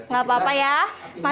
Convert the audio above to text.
gak apa apa ya masih kecilin apinya